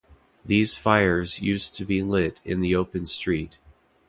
These fires used to be lit in the open street.